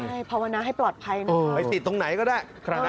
ใช่พาวนาให้ปลอดภัยนะครับ